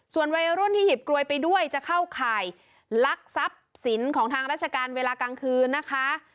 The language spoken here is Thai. ส่วนวัยรุ่นที่หยิบกลวยไปด้วยจะเข้าข่ายลักทรัพย์สินของทางราชการเวลากลางคืนนะคะ